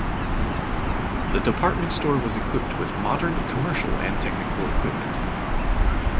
The department store was equipped with modern commercial and technical equipment.